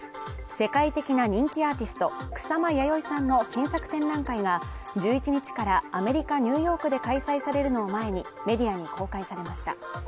世界的な人気アーティスト草間彌生さんの新作展覧会が１１日からアメリカ・ニューヨークで開催されるのを前にメディアに公開されました。